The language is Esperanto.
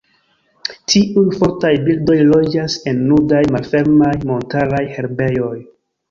Tiuj fortaj birdoj loĝas en nudaj malfermaj montaraj herbejoj.